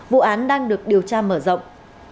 vụ án đang được điều tra mở rộng